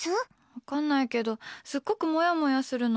分からないけどすっごくもやもやするの。